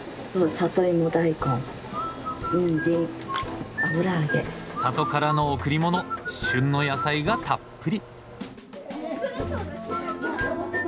里からの贈りもの旬の野菜がたっぷり。